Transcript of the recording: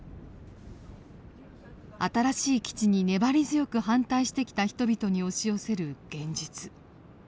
新しい基地に粘り強く反対してきた人々に押し寄せる現実。